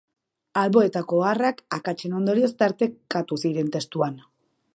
Alboetako oharrak, akatsen ondorioz tartekatu ziren testuan.